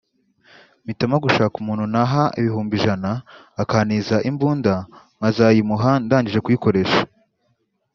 mpitamo gushaka umuntu naha ibihumbi ijana akantiza imbunda nkazayimuha ndangije kuyikoresha”